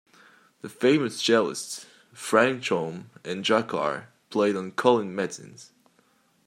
The famous cellists Franchomme and Jacquard played on Collin-Mezins.